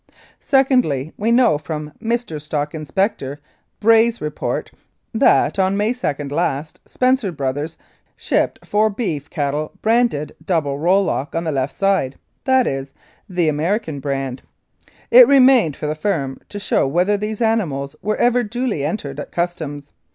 "Secondly, we know from Mr. Stock Inspector Bray's report that, on May 2 last, Spencer Bros, shipped four beef cattle branded V on the left side, viz., the American brand. It remains for the firm to show whether .these animals were ever duly entered at Customs.